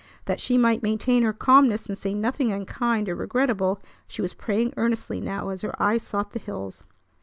That she might maintain her calmness and say nothing unkind or regrettable she was praying earnestly now as her eyes sought the hills.